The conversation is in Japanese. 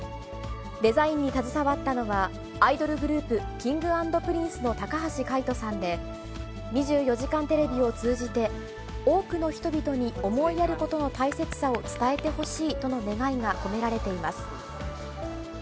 デザインに携わったのは、アイドルグループ、Ｋｉｎｇ＆Ｐｒｉｎｃｅの高橋海人さんで、２４時間テレビを通じて、多くの人々に思いやることの大切さを伝えてほしいとの願いが込められています。